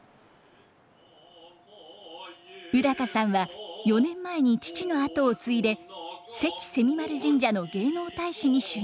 宇さんは４年前に父の跡を継いで関蝉丸神社の芸能大使に就任。